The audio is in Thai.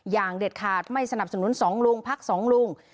เด็ดขาดไม่สนับสนุน๒ลุงพักสองลุง